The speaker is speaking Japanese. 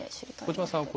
小島さん